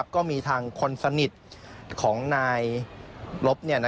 ก็มีทางคนสนิทของนายลบ